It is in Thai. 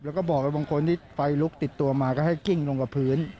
แล้วก็บอกว่าบางคนที่ไฟลุกติดตัวมาก็ให้กิ้งลงกับพื้น